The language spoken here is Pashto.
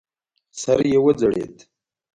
سر یې وځړېد.